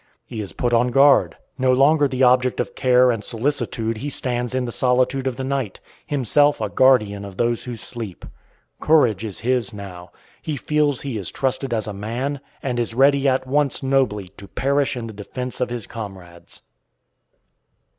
He is put on guard. No longer the object of care and solicitude he stands in the solitude of the night, himself a guardian of those who sleep. Courage is his now. He feels he is trusted as a man, and is ready at once nobly to perish in the defense of his comrades.